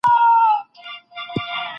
د هغه مرګ يو ټولنيز پيغام و.